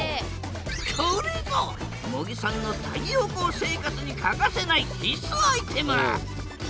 これぞ茂木さんの太陽光生活に欠かせない必須アイテム。